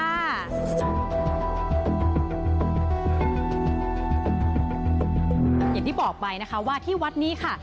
อย่างที่บอกไปนะคะว่าที่วัดนี้ค่ะ